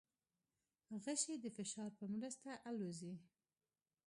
غشی د فشار په مرسته الوزي.